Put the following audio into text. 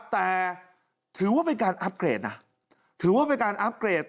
แต่ถือว่าเป็นการอัพเกรดนะถือว่าเป็นการอัพเกรด